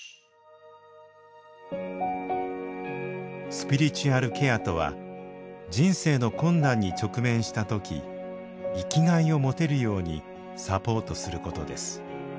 スピリチュアルケアとは人生の困難に直面した時生きがいを持てるようにサポートすることです。